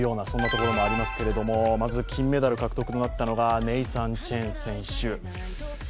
そんなところもありますけれどもまず金メダル獲得となったのがネイサン・チェン選手。